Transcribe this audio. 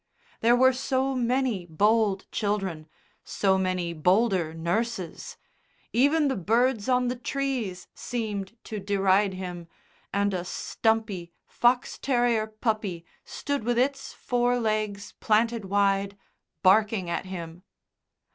There were so many bold children so many bolder nurses; even the birds on the trees seemed to deride him, and a stumpy fox terrier puppy stood with its four legs planted wide barking at him.